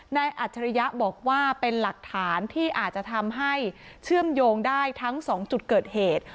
อัจฉริยะบอกว่าเป็นหลักฐานที่อาจจะทำให้เชื่อมโยงได้ทั้ง๒จุดเกิดเหตุ